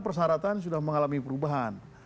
persyaratan sudah mengalami perubahan